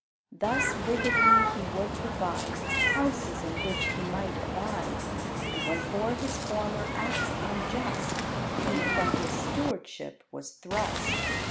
Thus wickedly he would provide Houses in which he might abide, When for his former acts unjust He from his stewardship was thrust.